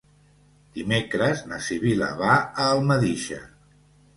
Dimecres na Sibil·la va a Almedíxer.